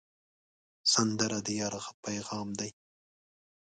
سندره د یار پیغام دی